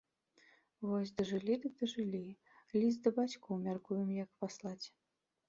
Вось дажылі дык дажылі, ліст да бацькоў мяркуем як паслаць.